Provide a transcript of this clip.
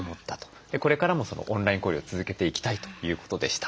これからもオンライン交流を続けていきたいということでした。